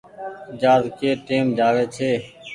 جهآز ڪي ٽيم جآوي ڇي۔